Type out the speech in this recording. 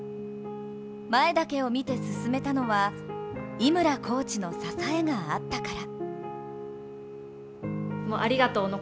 前だけを見て進めたのは井村コーチの支えがあったから。